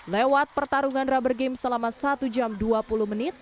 lewat pertarungan rubber game selama satu jam dua puluh menit